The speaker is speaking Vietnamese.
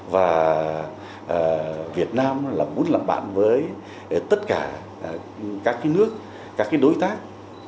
và việt nam là muốn làm bạn với tất cả các cái nước các cái đối tác